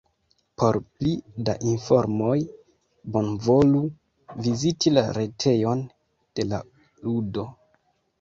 Por pli da informoj bonvolu viziti la retejon de la ludo.